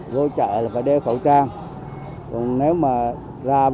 vô chợ là phải đeo khẩu trang